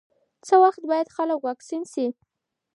څه وخت باید خلک واکسین شي؟